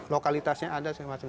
lokalitasnya ada segala macam